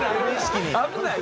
危ない。